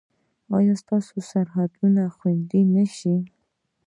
ایا ستاسو سرحدونه به خوندي نه شي؟